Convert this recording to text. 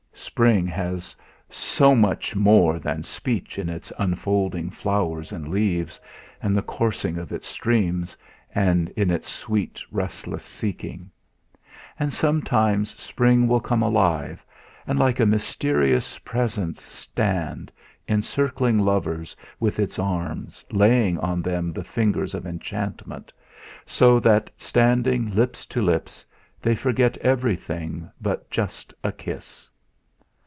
Spring has so much more than speech in its unfolding flowers and leaves, and the coursing of its streams, and in its sweet restless seeking! And sometimes spring will come alive, and, like a mysterious Presence stand, encircling lovers with its arms, laying on them the fingers of enchantment, so that, standing lips to lips, they forget everything but just a kiss.